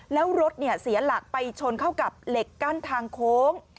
แล้วรถเสียหลักไปชนเข้ากับเหล็กกั้นทางโค้ง